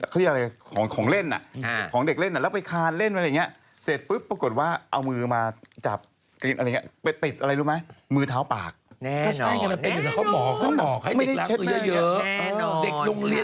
เด็กยงเรียนอะไรทุกคนต่อจะเรียนโรงเรียน